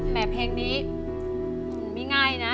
เพลงนี้มันไม่ง่ายนะ